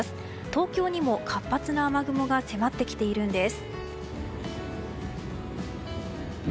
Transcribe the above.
東京にも活発な雨雲が迫ってきているんです。